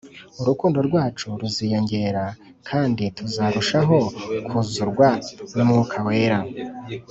, urukundo rwacu ruziyongera, kandi tuzarushaho kuzurwa n’Umwuka We.